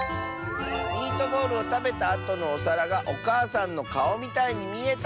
「ミートボールをたべたあとのおさらがおかあさんのかおみたいにみえた！」。